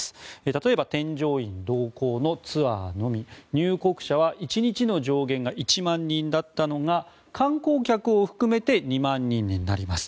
例えば添乗員同行のツアーのみ入国者は１日の上限が１万人だったのが観光客を含めて２万人になります。